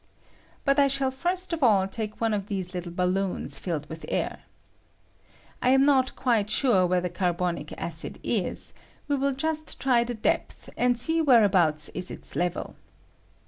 But I shall first of all take one of these Httle balloons filled with air. I am not quite sure where the carbonic acid is ; we wiU just try the depth, and see whereabouts ia its level.